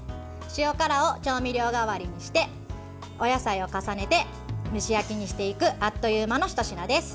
塩辛を調味料代わりにしてお野菜を重ねて蒸し焼きにしていくあっという間のひと品です。